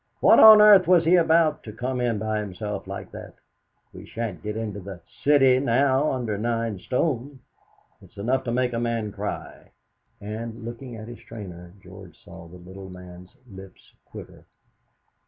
What on earth was he about to come in by himself like that? We shan't get into the 'City' now under nine stone. It's enough to make a man cry!" And, looking at his trainer, George saw the little man's lips quiver.